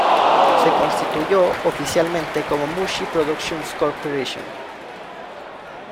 Se constituyó oficialmente como "Mushi Productions Co.